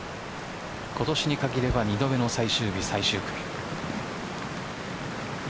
今年に限れば２度目の最終日最終組。